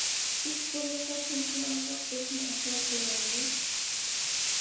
ھېچ بولمىسا، تېلېفون ئارقىلىق بولسىمۇ ئەھۋال سورايلى.